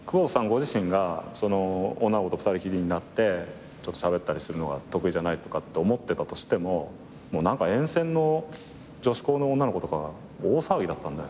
ご自身が女の子と２人きりになってしゃべったりするのが得意じゃないとかって思ってたとしても沿線の女子校の女の子とか大騒ぎだったんじゃないですか？